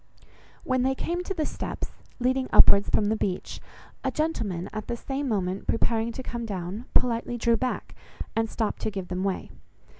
When they came to the steps, leading upwards from the beach, a gentleman, at the same moment preparing to come down, politely drew back, and stopped to give them way.